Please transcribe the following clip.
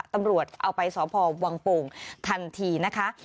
ตำรวจเอาไปสพวังโป่งทันทีนะคะ